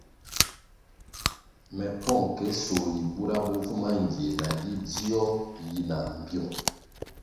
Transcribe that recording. Me pong ke sohli bura bo vu mangie nagi dzio yi na mbpyung.